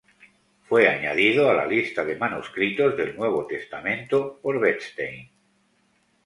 Fue añadido a la lista de manuscritos del Nuevo Testamento por Wettstein.